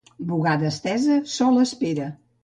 Bugada estesa, sol espera.